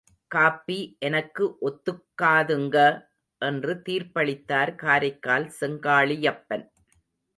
Copy எனக்கு ஒத்துக்காதுங்க! என்று தீர்ப்பளித்தார் காரைக்கால் செங்காளியப்பன்.